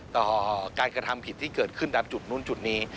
ต่อการกระทำผิดที่เกิดขึ้นตามจุดนู้นจุดนี้